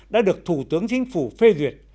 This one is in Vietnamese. đã được thủ tướng chính phủ phê duyệt